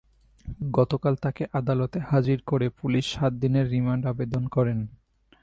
গতকাল তাঁকে আদালতে হাজির করে পুলিশ সাত দিনের রিমান্ড আবেদন করে।